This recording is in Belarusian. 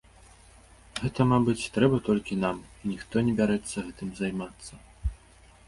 Гэта, мабыць, трэба толькі нам і ніхто не бярэцца гэтым займацца.